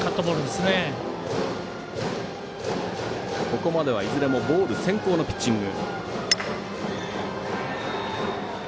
ここまではいずれもボール先行のピッチング。